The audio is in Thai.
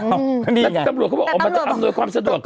อ้าวนี่ไงแต่ตำรวจเขาบอกอ๋อมันจะอำนวยความสะดวก